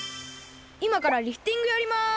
いまからリフティングやります。